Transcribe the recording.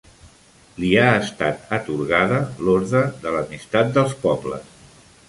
Li ha estat atorgada l'Orde de l'Amistat dels Pobles.